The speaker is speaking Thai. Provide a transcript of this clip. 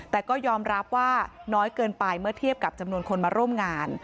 แต่ก็ยอมรับว่าน้อยเกินไปเมื่อเทียบกับจำนวนคนมาร่วมงาน